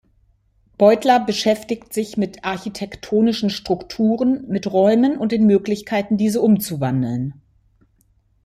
Beutler „beschäftigt sich mit architektonischen Strukturen, mit Räumen und den Möglichkeiten diese umzuwandeln.